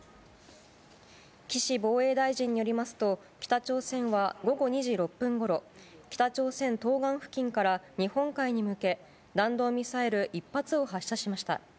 岸防衛大臣によりますと、北朝鮮は午後２時６分ごろ、北朝鮮東岸付近から日本海に向け、弾道ミサイル１発を発射しました。